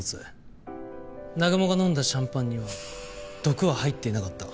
南雲が飲んだシャンパンには毒は入っていなかった。